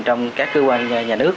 trong các cơ quan nhà nước